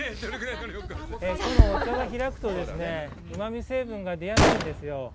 お茶が開くとうまみ成分が出やすいんですよ。